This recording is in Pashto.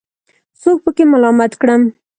څوک پکې ملامت کړم.